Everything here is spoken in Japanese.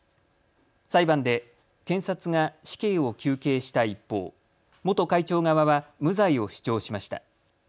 裁判で検察が死刑を求刑した一方、元会長側は無罪を主張しました。